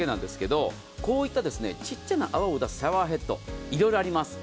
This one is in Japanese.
こういった小さな泡を出すシャワーヘッド色々あります。